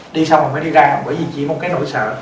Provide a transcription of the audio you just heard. đi xong rồi mới đi ra bởi vì chỉ một cái nỗi sợ